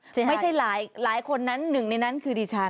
ไม่ใช่หลายคนนั้นหนึ่งในนั้นคือดิฉัน